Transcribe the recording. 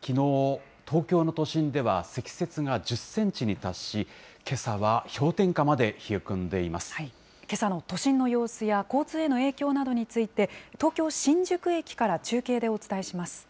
きのう、東京の都心では積雪が１０センチに達し、けさは氷点下まけさの都心の様子や交通への影響などについて、東京・新宿駅から中継でお伝えします。